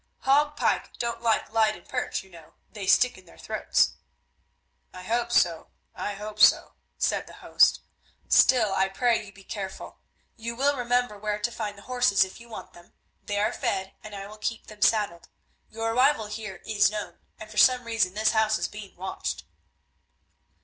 "Hague pike don't like Leyden perch, you know; they stick in their throats." "I hope so, I hope so," said the host, "still I pray you be careful. You will remember where to find the horses if you want them; they are fed and I will keep them saddled. Your arrival here is known, and for some reason this house is being watched."